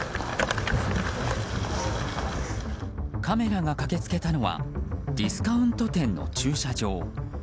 カメラが駆け付けたのはディスカウント店の駐車場。